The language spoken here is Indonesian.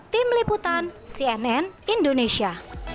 tim liputan cnn indonesia